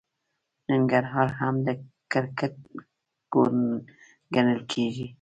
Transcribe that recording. ننګرهار هم د کرکټ کور ګڼل کیږي.